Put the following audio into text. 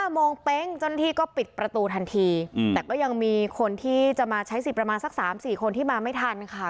โมงเป๊งเจ้าหน้าที่ก็ปิดประตูทันทีแต่ก็ยังมีคนที่จะมาใช้สิทธิ์ประมาณสัก๓๔คนที่มาไม่ทันค่ะ